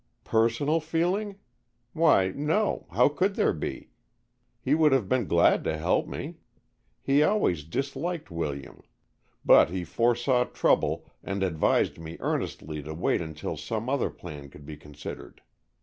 "Personal feeling? Why, no, how could there be? He would have been glad to help me. He always disliked William. But he foresaw trouble, and advised me earnestly to wait until some other plan could be considered.